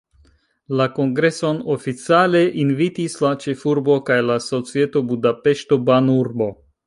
La kongreson oficiale invitis la ĉefurbo kaj la Societo Budapeŝto-Banurbo.